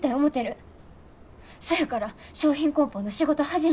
そやから商品こん包の仕事始めて。